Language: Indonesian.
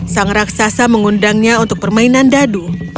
sang raksasa mengundangnya untuk permainan dadu